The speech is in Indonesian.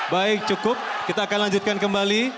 baik cukup kita akan lanjutkan kembali